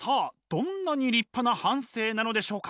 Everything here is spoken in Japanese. どんなに立派な半生なのでしょうか。